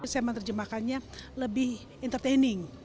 saya menerjemahkannya lebih entertaining